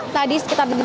tadi sekitar sepuluh